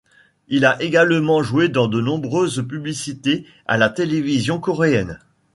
Il a également joué dans de nombreuses publicités à la télévision coréenne.